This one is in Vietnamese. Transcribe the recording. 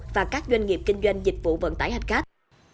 và các doanh nghiệp kinh doanh dịch vụ vận tải hành khách